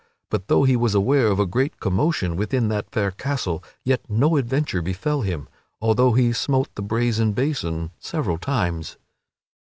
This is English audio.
But though he was aware of a great commotion within that fair castle, yet no adventure befell him, although he smote the brazen basin several times.